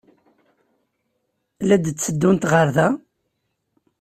La d-tteddunt ɣer da?